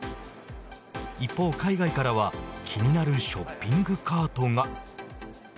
一方、海外からは気になるショッピングカートが。